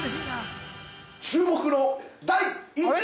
◆注目の第１位！